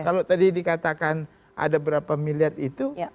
kalau tadi dikatakan ada berapa miliar itu